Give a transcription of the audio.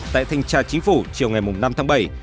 tại thanh tra chính phủ chiều ngày năm tháng bảy